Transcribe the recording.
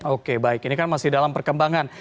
oke baik ini kan masih dalam perkembangan